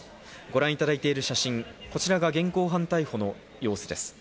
ご覧いただいている写真、こちらが現行犯逮捕の様子です。